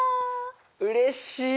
うれしい！